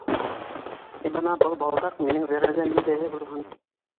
Ә бына был балдаҡ минең вәғәҙәм билдәһе булһын.